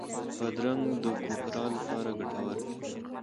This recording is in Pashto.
بادرنګ د کوپرا لپاره ګټور دی.